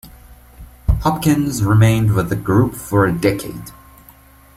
Hopkins remained with the group for a decade.